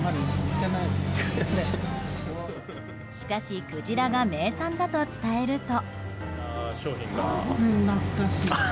しかし、クジラが名産だと伝えると。